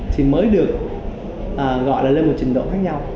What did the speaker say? thì mới được gọi là lên một trình độ khác nhau